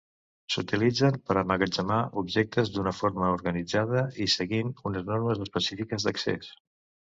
S'utilitzen per emmagatzemar objectes d'una forma organitzada i seguint unes normes específiques d'accés.